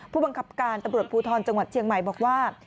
ผู้บังคับการตำรวจภูทรจังหวัดเชียงใหม่บอกว่า